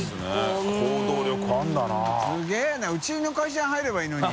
垢欧Гうちの会社入ればいいのに。